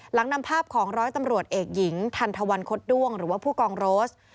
หลังนำภาพของร้อยตำรวจเอกหญิงทันทวันคดด้วงหรือว่าผู้กองโรส